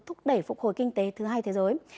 thúc đẩy phục hồi kinh tế thứ hai thế giới